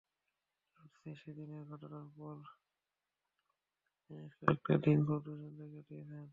লর্ডসে সেদিনের ঘটনার পরও রজার্স বেশ কয়েকটা দিন খুব দুশ্চিন্তায় কাটিয়েছেন।